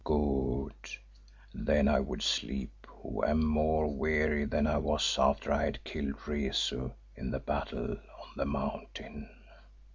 "Good. Then I would sleep who am more weary than I was after I had killed Rezu in the battle on the mountain."